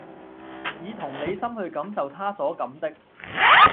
以同理心去感受他所感的